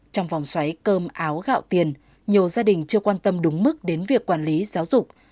trong vòng xoáy cơm áo gạo tiền nhiều gia đình chưa quan tâm đúng mức đến việc quản lý giáo dục